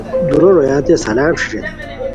دُورو رویانتے سلام ݯھیݯھیتائے